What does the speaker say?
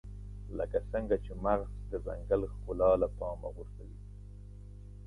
لکه څنګه چې مغز د ځنګل ښکلا له پامه غورځوي.